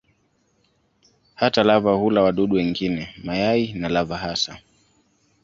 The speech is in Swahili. Hata lava hula wadudu wengine, mayai na lava hasa.